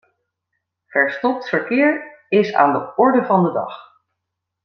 Verstopt verkeer is aan de orde van de dag.